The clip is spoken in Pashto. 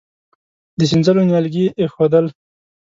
د سينځلو نيالګي يې اېښودل.